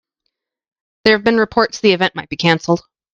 There have been reports the event might be canceled.